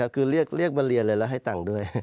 คือเรียกมาเรียนเลยแล้วให้ตังค์ด้วย